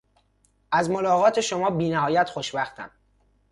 از ملاقات شما بینهایت خوشوقتم.